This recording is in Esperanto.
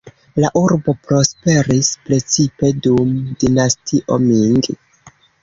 La urbo prosperis precipe dum Dinastio Ming.